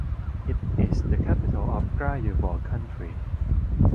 It is the capital of Grajewo County.